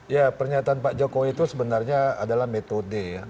ya pernyataan pak jokowi itu sebenarnya adalah metode ya